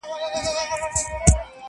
چي به خبره د پښتو چي د غیرت به سوله!.